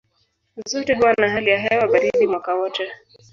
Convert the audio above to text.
Zote huwa na hali ya hewa baridi mwaka wote.